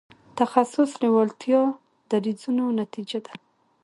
تخصص لېوالتیا دریځونو نتیجه ده.